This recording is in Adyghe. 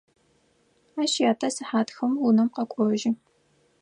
Ащ ятэ сыхьат хым унэм къэкӏожьы.